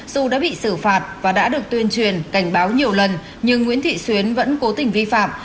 dù đã bị xử phạt và đã được tuyên truyền cảnh báo nhiều lần nhưng nguyễn thị xuyến vẫn cố tình vi phạm